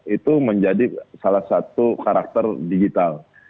itu menjadi salah satu karakter digital